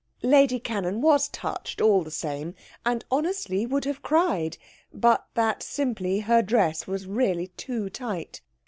Lady Cannon was touched, all the same, and honestly would have cried, but that, simply, her dress was really too tight.